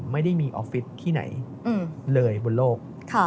ไม่ได้มีออฟฟิศที่ไหนเลยบนโลก